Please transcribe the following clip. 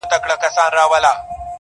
كه وي ژړا كه وي خندا پر كلي شپه تېــروم~